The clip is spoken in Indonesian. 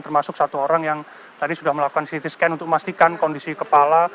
termasuk satu orang yang tadi sudah melakukan ct scan untuk memastikan kondisi kepala